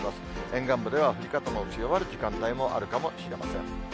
沿岸部では降り方の強まる時間帯もあるかもしれません。